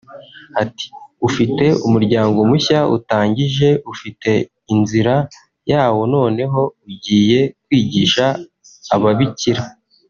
Ati“Ufite umuryango mushya utangije ufite inzira yawo noneho ugiye kwigisha ababikira